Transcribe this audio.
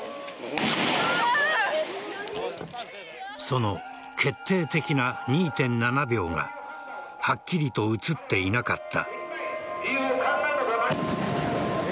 その決定的な２．７秒がはっきりと映っていなかった。